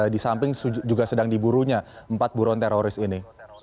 di samping juga sedang diburunya empat buruan teroris ini